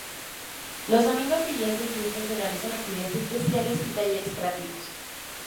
Los domingos y días de fiesta se realizan actividades especiales y talleres creativos.